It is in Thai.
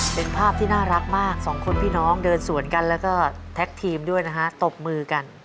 เป็นภาพที่น่ารักมากสองคนพี่น้องเดินสวนกันแล้วก็แท็กทีมด้วยนะฮะตบมือกัน